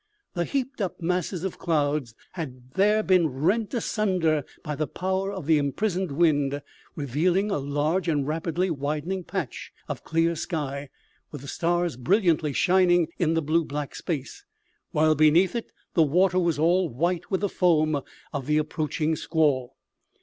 The heaped up masses of cloud had there been rent asunder by the power of the imprisoned wind, revealing a large and rapidly widening patch of clear sky, with the stars brilliantly shining in the blue black space; while beneath it the water was all white with the foam of the approaching squall.